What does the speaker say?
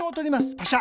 パシャ。